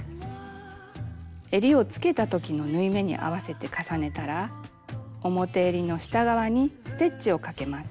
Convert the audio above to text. えりをつけたときの縫い目に合わせて重ねたら表えりの下側にステッチをかけます。